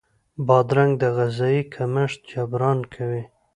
بادرنګ د غذايي کمښت جبران کوي.